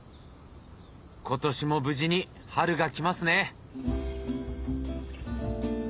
今年も無事に春が来ますね。